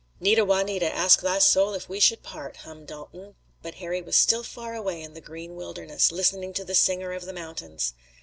"Nita, Juanita! Ask thy soul if we should part," hummed Dalton, but Harry was still far away in the green wilderness, listening to the singer of the mountains.